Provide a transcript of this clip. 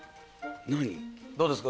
どうですか？